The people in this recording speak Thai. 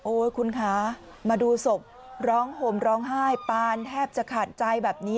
คุณคะมาดูศพร้องห่มร้องไห้ปานแทบจะขาดใจแบบนี้